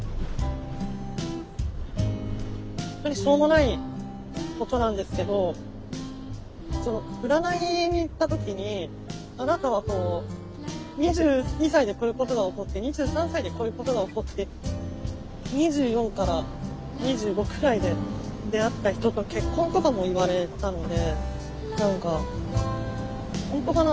本当にしょうもないことなんですけど占いに行った時にあなたは２２歳でこういうことが起こって２３歳でこういうことが起こって２４から２５くらいで出会った人と結婚とかも言われたので何か本当かな？